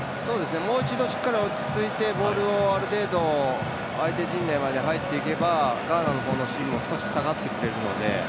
もう一度しっかり落ち着いて、ある程度相手陣内まで入っていけばガーナの守備も少し下がってくれるので。